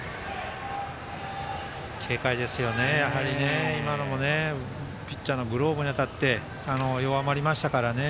軽快ですよね、今のもピッチャーのグローブに当たって弱まりましたから。